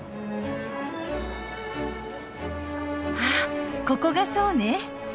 あここがそうね。